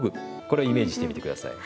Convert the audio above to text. これをイメージしてみて下さい。